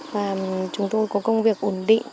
và chúng tôi có công việc ổn định